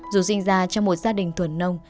dù sinh ra trong một gia đình thuần nông